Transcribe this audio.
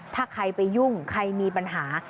ถ้าใครไปยุ่งใครมีปัญหา